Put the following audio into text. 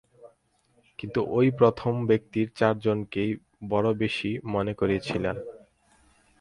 কিন্তু ঐ প্রথম ব্যক্তি চার জন্মকেই বড় বেশী মনে করিয়াছিল।